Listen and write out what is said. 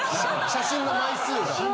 写真の枚数が。